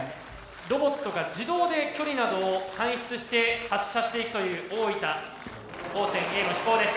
ロボットが自動で距離などを算出して発射していくという大分高専Ａの「飛煌」です。